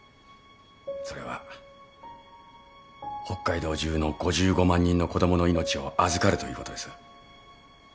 それは北海道中の５５万人の子供の命を預かるということです。